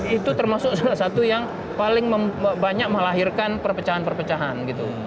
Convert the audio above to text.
itu termasuk salah satu yang paling banyak melahirkan perpecahan perpecahan gitu